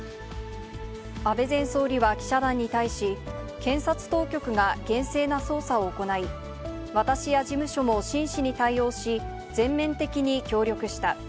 安倍前総理は記者団に対し、検察当局が厳正な捜査を行い、私や事務所も真摯に対応し、全面的に協力した。